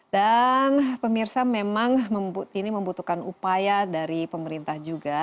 dan pemirsa memang ini membutuhkan upaya dari pemerintah juga